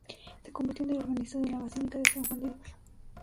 Se convirtió en el organista de la Basílica de San Juan de Dios.